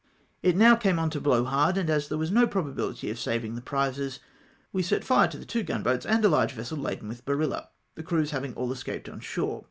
, It now came on to blow hard, and as there was no probabihty of saving the prizes, we set fire to the two gunboats and a large vessel laden with barilla, the crews having aU escaped on shore.